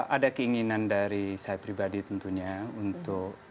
ada keinginan dari saya pribadi tentunya untuk mengelola esdm